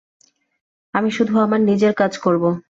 আমি শুধু আমার নিজের কাজ করব।